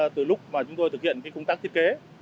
từ lúc mà chúng tôi thực hiện công tác thiết kế